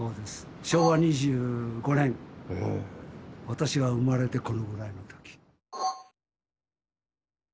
私が生まれてこのぐらいの時。